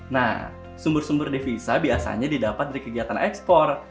nah sumber sumber devisa biasanya didapat dari kegiatan ekspor